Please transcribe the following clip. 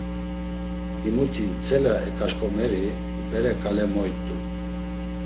Himuti ntsela eǩaşǩomeri bere ǩale moyt̆u.